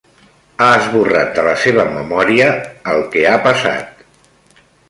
Ha esborrat de la seva memòria el que ha passat.